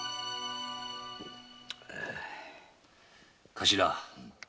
頭。